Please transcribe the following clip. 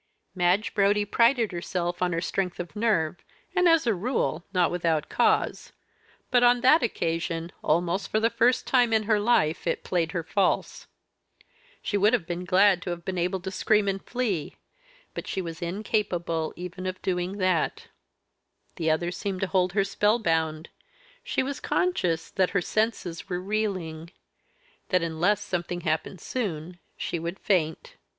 Madge Brodie prided herself on her strength of nerve, and as, a rule, not without cause. But, on that occasion, almost for the first time in her life it played her false. She would have been glad to have been able to scream and flee; but she was incapable even of doing that. The other seemed to hold her spellbound; she was conscious that her senses were reeling that, unless something happened soon, she would faint.